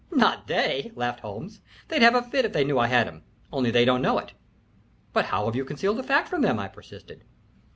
"Not they," laughed Holmes. "They'd have a fit if they knew I had 'em, only they don't know it." "But how have you concealed the fact from them?" I persisted.